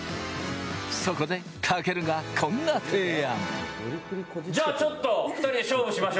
そこで、たけるがこんな提案。